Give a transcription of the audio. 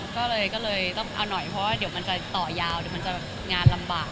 ก็เลยเอาหน่อยเพราะมันจะต่อยาวมึงจะงานลำบาก